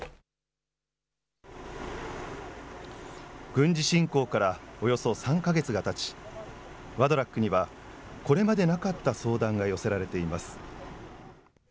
軍事侵攻からおよそ３か月がたち、ワドラックにはこれまでなかった相談が寄せられています。